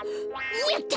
やった！